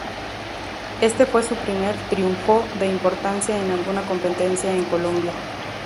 Este fue su primer triunfó de importancia en alguna competencia en Colombia.